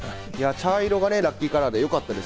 茶色がラッキーカラーでよかったです。